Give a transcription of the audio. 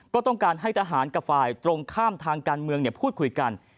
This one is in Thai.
ก็ต้องการให้ทหารกับฝ่ายตรงข้ามทางการเมืองพูดคุยกัน